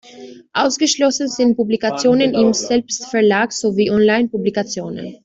Ausgeschlossen sind Publikationen im Selbstverlag sowie Online-Publikationen.